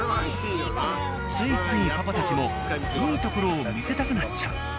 ついついパパたちもいいところを見せたくなっちゃう。